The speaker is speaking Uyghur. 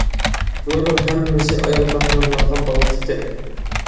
بۇلارنىڭ ھەممىسى ئايال قەھرىمانلارغا باغلىق ئىكەن.